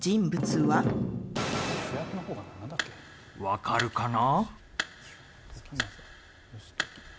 わかるかな？